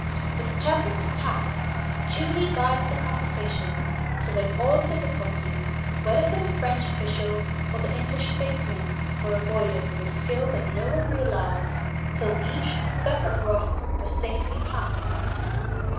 With perfect tact Julie guided the conversation, so that all difficulties, whether for the French official or the English statesman, were avoided with a skill that no one realized till each separate rock was safely passed.